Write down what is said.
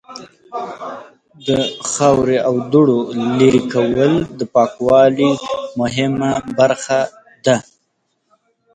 د خاورې او دوړو لرې کول د پاکوالی مهمه برخه ده.